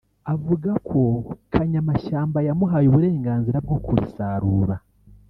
avuga ko kanyamashyamba yamuhaye uburenganzira bwo kurisarura